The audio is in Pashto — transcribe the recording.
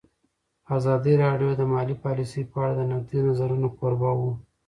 ازادي راډیو د مالي پالیسي په اړه د نقدي نظرونو کوربه وه.